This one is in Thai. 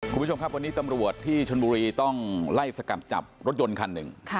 คุณผู้ชมครับวันนี้ตำรวจที่ชนบุรีต้องไล่สกัดจับรถยนต์คันหนึ่ง